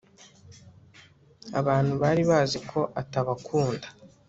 abantu bari bazi ko atabakunda